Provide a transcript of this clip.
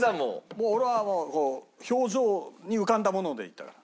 もう俺は表情に浮かんだものでいったから。